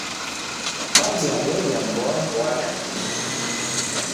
Kwaw'iabonya mboamboa nandighi.